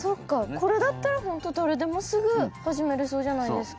これだったら本当誰でもすぐ始めれそうじゃないですか。